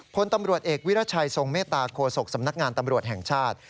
พลตำรวจเอกวิรัชัยทรงเมตตาโคศกสำนักงานตำรวจแห่งชาติ